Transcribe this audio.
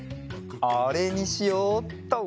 あれにしよっと！